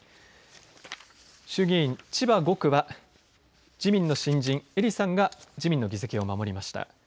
衆議院千葉５区は自民の新人、英利さんが自民の議席を守りました。